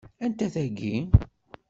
Anta tagi?